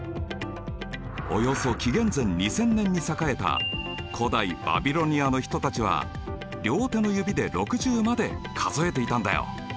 およそ紀元前２０００年に栄えた古代バビロニアの人たちは両手の指で６０まで数えていたんだよ。